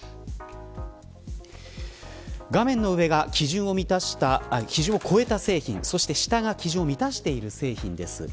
画面の上が基準を超えた製品、下が基準を満たしている製品です。